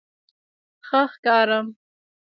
_ښه ښکارم؟